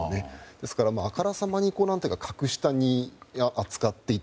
ですから、あからさまに格下に扱っていた。